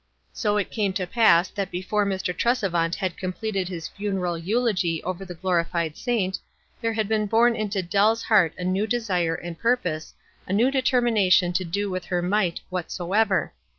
So it came to pass that before Mr. Tresevant had completed his funeral eulogy over the glorified saint, there had been born into Dell's heart a new desire and purpose, a new determination to do with her might "Whatsoever."